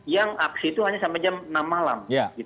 yang aksi itu hanya sampai jam enam malam